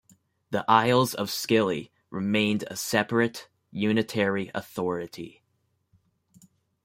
The Isles of Scilly remained a separate unitary authority.